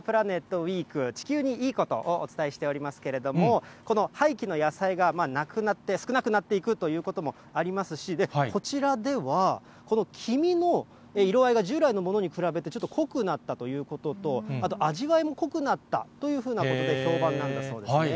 ウィーク、地球にいいことをお伝えしておりますけれども、この廃棄の野菜がなくなって、少なくなっていくということもありますし、こちらでは、この黄身の色合いが従来のものに比べてちょっと濃くなったということと、あと味わいも濃くなったというふうなことで評判なんだそうですね。